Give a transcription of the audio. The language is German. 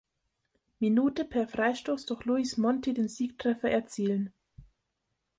Minute per Freistoß durch Luis Monti den Siegtreffer erzielen.